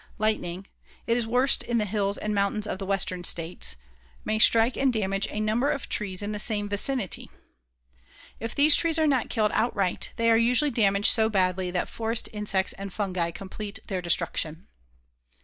Lightning it is worst in the hills and mountains of the western states may strike and damage a number of trees in the same vicinity. If these trees are not killed outright, they are usually damaged so badly that forest insects and fungi complete their destruction.